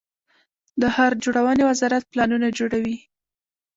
د ښار جوړونې وزارت پلانونه جوړوي